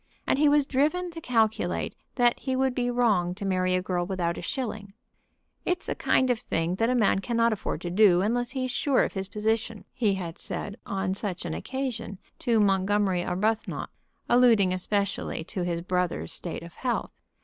And he was driven to calculate that he would be wrong to marry a girl without a shilling. "It is a kind of thing that a man cannot afford to do unless he's sure of his position," he had said on such an occasion to Montgomery Arbuthnot, alluding especially to his brother's state of health.